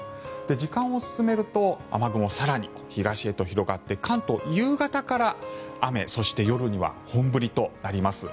時間を進めると雨雲は更に東へと進んで関東、夕方から雨そして夜には本降りとなります。